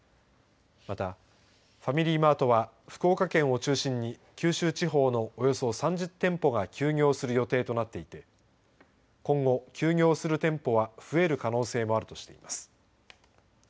また、ファミリーマートは福岡県を中心に九州地方のおよそ３０店舗が休業する予定となっていて今後、休業する店舗は増える可能性もあるとしています。